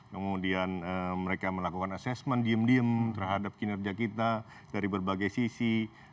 kemudian mereka melakukan asesmen diem diem terhadap kinerja kita dari berbagai sisi